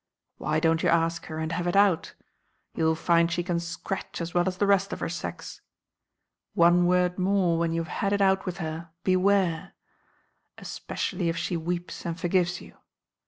Why don't you ask her and have it out? You'll find she can scratch as well as the rest of her sex. One word more, when you have had it out with her, beware! Especially if she weeps and forgives you.